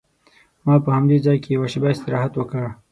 ما په همدې ځای کې یوه شېبه استراحت وکړ.